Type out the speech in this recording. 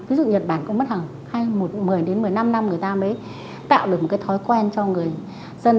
ví dụ nhật bản cũng mất khoảng một mươi một mươi năm năm người ta mới tạo được một cái thói quen cho người dân